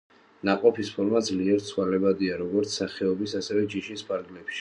ნაყოფის ფორმა ძლიერ ცვალებადია როგორც სახეობის, ასევე ჯიშის ფარგლებში.